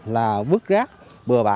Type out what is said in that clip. là bước rác bừa bạc